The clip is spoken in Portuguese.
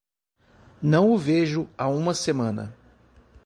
Não o vejo há uma semana.